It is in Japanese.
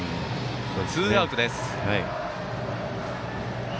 ツーアウトです。